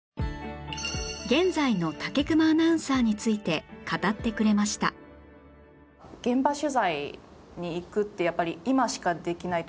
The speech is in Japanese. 現在の武隈アナウンサーについて語ってくれましたかなと思います。